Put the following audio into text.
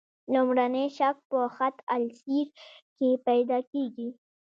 لومړنی شک په خط السیر کې پیدا کیږي.